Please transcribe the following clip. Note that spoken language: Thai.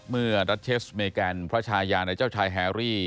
เมื่อรัชเชสเมแกนพระชายาในเจ้าชายแฮรี่